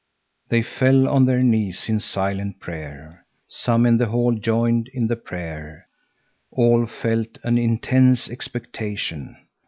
They fell on their knees in silent prayer. Some in the hall joined in the prayer. All felt an intense expectation.